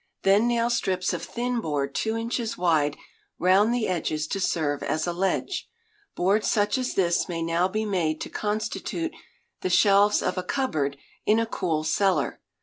Then nail strips of thin board two inches wide round the edges to serve as a ledge. Boards such as this may now be made to constitute the shelves of a cupboard in a cool cellar.